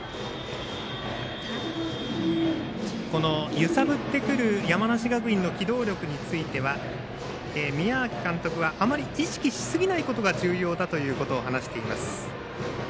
揺さぶってくる山梨学院の機動力については宮秋監督はあまり意識しすぎないことが重要だということを話しています。